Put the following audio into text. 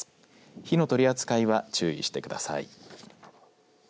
火の取り扱いは注意してください。